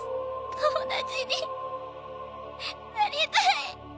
友達になりたい。